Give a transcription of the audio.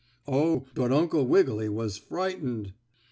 Oh, but Uncle Wiggily was frightened!